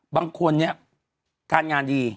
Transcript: บางคนเนี่ยการงานดี